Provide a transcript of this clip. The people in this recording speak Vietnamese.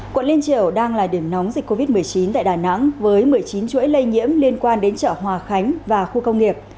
quận liên triều đang là điểm nóng dịch covid một mươi chín tại đà nẵng với một mươi chín chuỗi lây nhiễm liên quan đến chợ hòa khánh và khu công nghiệp